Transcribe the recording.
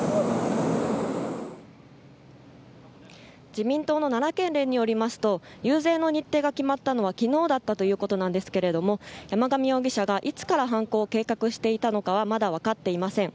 自民党の奈良県連によりますと遊説の日程が決まったのは昨日だったということですが山上容疑者がいつから犯行を計画していたのかはまだ分かっていません。